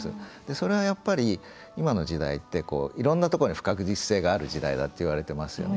それは、やっぱり今の時代っていろんなところに不確実性がある時代だっていうふうに言われていますよね。